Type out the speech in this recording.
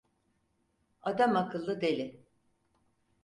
Adamakıllı deli.